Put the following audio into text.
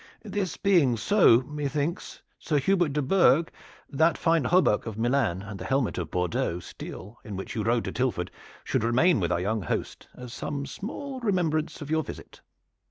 This being so, methinks, Sir Hubert de Burgh, that the fine hauberk of Milan and the helmet of Bordeaux steel in which you rode to Tilford should remain with our young host as some small remembrance of your visit."